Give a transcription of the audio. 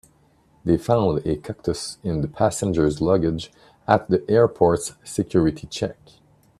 They found a cactus in a passenger's luggage at the airport's security check.